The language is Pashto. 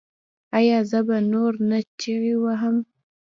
ایا زه به نور نه چیغې وهم؟